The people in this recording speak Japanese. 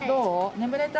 眠れた？